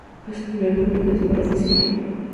Fue su primera publicación profesional.